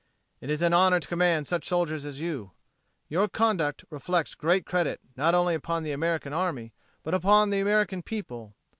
It is an honor to command such soldiers as you. Your conduct reflects great credit not only upon the American army, but upon the American people.